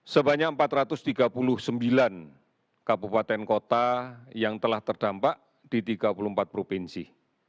sebanyak empat ratus tiga puluh sembilan kabupaten kota yang telah terdampak di tiga puluh empat provinsi